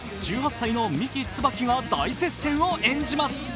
１８歳の三木つばきが大接戦を演じます。